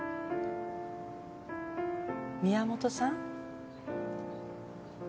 宮本さん？